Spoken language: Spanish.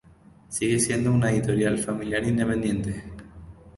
Sigue siendo una editorial familiar independiente.